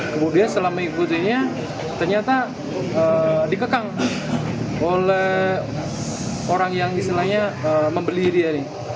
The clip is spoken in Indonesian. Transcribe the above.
kemudian setelah mengikutinya ternyata dikekang oleh orang yang istilahnya membeli dia nih